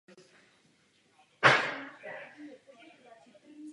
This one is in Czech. Dosud vyhrál pět turnajů ve dvouhře a jeden ve čtyřhře.